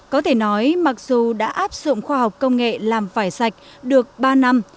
có thể nói mặc dù đã áp dụng khoa học công nghệ làm vải sạch được ba năm